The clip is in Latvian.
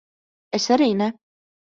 Es arī ne.